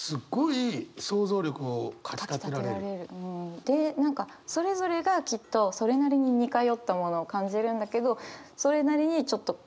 で何かそれぞれがきっとそれなりに似通ったものを感じるんだけどそれなりにちょっと個人差もありそうな。